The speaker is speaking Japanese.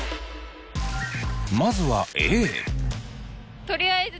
まずはＡ。